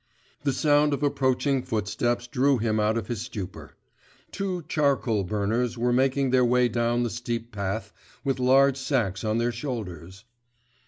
The sound of approaching footsteps drew him out of his stupor: two charcoal burners were making their way down the steep path with large sacks on their shoulders.